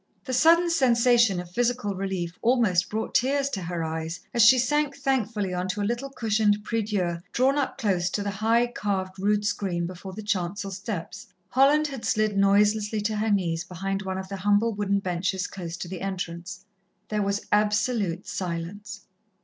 The sudden sensation of physical relief almost brought tears to her eyes, as she sank thankfully on to a little cushioned prieu dieu drawn up close to the high, carved rood screen before the chancel steps. Holland had slid noiselessly to her knees behind one of the humble wooden benches close to the entrance. There was absolute silence.